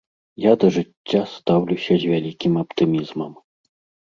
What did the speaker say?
Я да жыцця стаўлюся з вялікім аптымізмам.